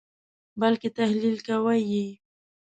بلکې تحلیل کوئ یې.